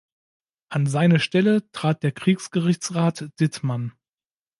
An seine Stelle trat der Kriegsgerichtsrat Dittmann.